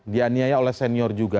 dianiaya oleh senior juga